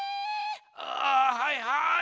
ああはいはい！